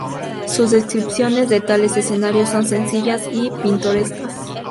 Sus descripciones de tales escenarios son sencillas y pintorescas.